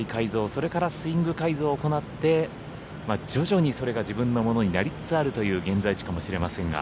それからスイング改造を行って徐々にそれが自分のものになりつつあるという現在地かもしれませんが。